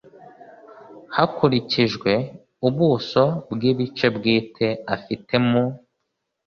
hakurikijwe ubuso bw ibice bwite afite mu